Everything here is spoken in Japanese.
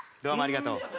どうもありがとう。